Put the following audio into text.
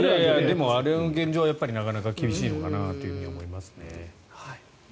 でも、あの現状はなかなか厳しいのかなと思いますね。